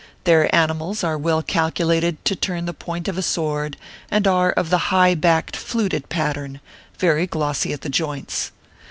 Their animals are well calculated to turn the point of a sword, and are of the high backed fluted pattern, very glossy at the joints.